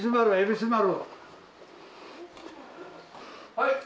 ・はい！